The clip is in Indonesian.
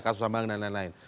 kasus abang dan lain lain